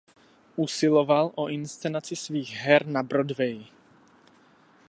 Usiloval o inscenaci svých her na Broadwayi.